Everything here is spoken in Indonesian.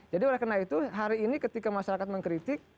jadi oleh karena itu hari ini ketika masyarakat mengkritik